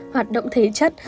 hoạt động thể chất